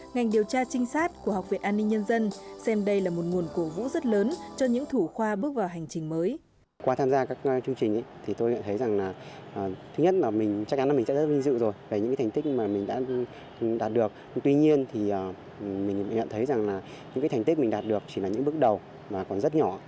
ngành điều tra trinh sát của học viện an ninh nhân dân xem đây là một nguồn cổ vũ rất lớn cho những thủ khoa bước vào hành trình mới